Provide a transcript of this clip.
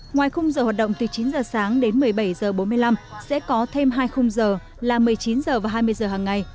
ngoài khung giờ hoạt động từ chín giờ sáng đến một mươi bảy h bốn mươi năm sẽ có thêm hai khung giờ là một mươi chín h và hai mươi h hàng ngày